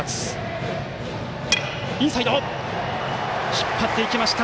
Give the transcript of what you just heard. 引っ張っていきました！